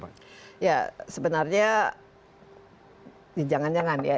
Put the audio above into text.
ya sebenarnya jangan jangan ya